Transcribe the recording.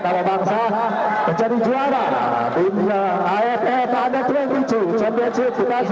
kalau bangsa menjadi juara di afk tahun dua ribu tujuh belas championship di tata air indonesia